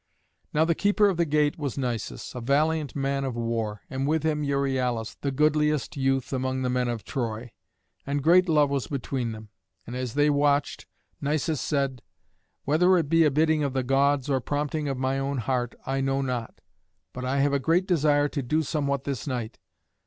Now the keeper of the gate was Nisus, a valiant man of war, and with him Euryalus, the goodliest youth among the men of Troy; and great love was between them. And as they watched, Nisus said, "Whether it be a bidding of the Gods, or prompting of my own heart, I know not, but I have a great desire to do somewhat this night.